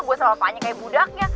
gue selalu tanya kayak budaknya